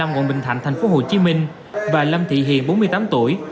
ngọn bình thạnh thành phố hồ chí minh và lâm thị hiền bốn mươi tám tuổi